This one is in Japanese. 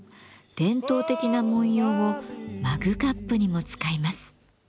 伝統的な文様をマグカップにも使います。